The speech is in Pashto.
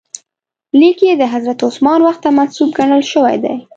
لیک یې د حضرت عثمان وخت ته منسوب ګڼل شوی دی.